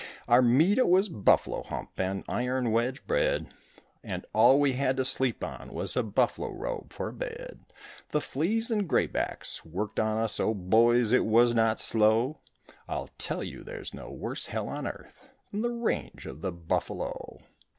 Our meat it was buffalo hump and iron wedge bread, And all we had to sleep on was a buffalo robe for a bed; The fleas and gray backs worked on us, O boys, it was not slow, I'll tell you there's no worse hell on earth than the range of the buffalo.